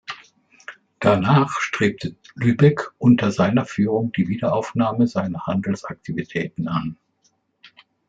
Danach strebte Lübeck unter seiner Führung die Wiederaufnahme seiner Handelsaktivitäten an.